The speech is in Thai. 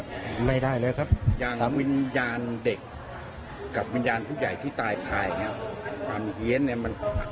ทำไมครับผม